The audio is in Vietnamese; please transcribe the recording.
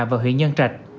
và huyện nhân trạch